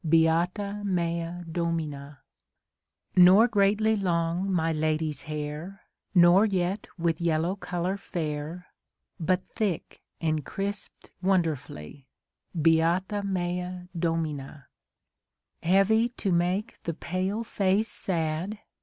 Beata mea Domina ! Nor greatly long my lady's hair, Nor yet with yellow colour fair, But thick and crisped wonderfully : Beata mea Domina ! Heavy to make the pale face sad.